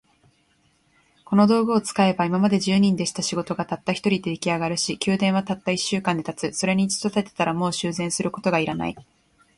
この道具を使えば、今まで十人でした仕事が、たった一人で出来上るし、宮殿はたった一週間で建つ。それに一度建てたら、もう修繕することが要らない。